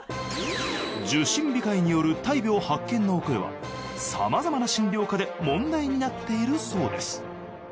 受診控えによる大病発見の遅れはさまざまな診療科で問題になっているそうです